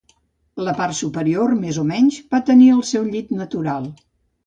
La part superior més o menys va tenir el seu llit natural.